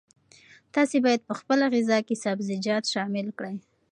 تاسي باید په خپله غذا کې سبزیجات شامل کړئ.